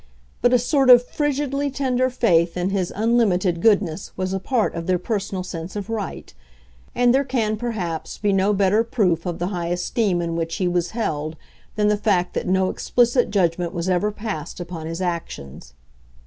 But a sort of frigidly tender faith in his unlimited goodness was a part of their personal sense of right; and there can, perhaps, be no better proof of the high esteem in which he was held than the fact that no explicit judgment was ever passed upon his actions.